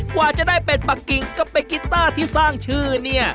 กว่าจะได้เป็ดปะกิ่งกับเป็ดกีต้าที่สร้างชื่อเนี่ย